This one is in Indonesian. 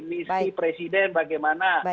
misi presiden bagaimana